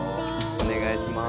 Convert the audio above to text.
お願いします